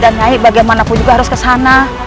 dan nyai bagaimanapun juga harus kesana